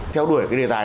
theo đuổi cái đề tài đấy